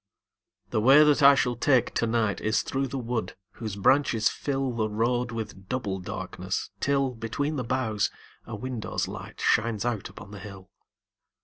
The way that I shall take to night Is through the wood whose branches fill The road with double darkness, till, Between the boughs, a window's light Shines out upon the hill.